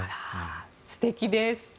素敵です。